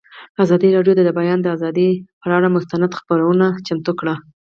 ازادي راډیو د د بیان آزادي پر اړه مستند خپرونه چمتو کړې.